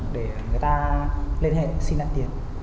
để người ta liên hệ xin lại tiền